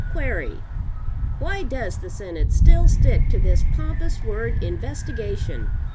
Query. Why does the Senate still stick to this pompous word, 'Investigation?'